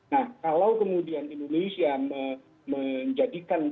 nah kalau kemudian indonesia menjadikan